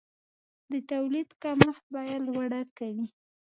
د تولید کمښت بیه لوړه کوي.